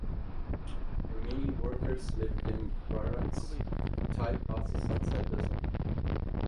The remaining workers lived in barracks type houses outside the zone.